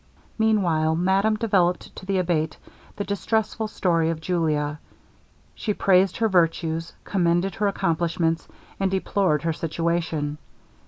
Meanwhile madame developed to the Abate the distressful story of Julia. She praised her virtues, commended her accomplishments, and deplored her situation.